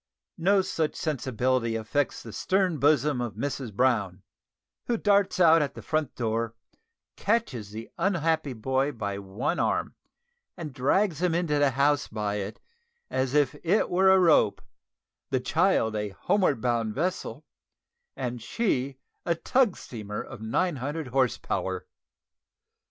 No such sensibility affects the stern bosom of Mrs Brown, who darts out at the front door, catches the unhappy boy by one arm, and drags him into the house by it as if it were a rope, the child a homeward bound vessel, and she a tug steamer of nine hundred horse power.